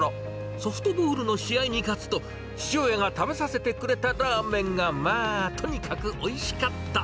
ソフトボールの試合に勝つと、父親が食べさせてくれたラーメンが、まあとにかくおいしかった。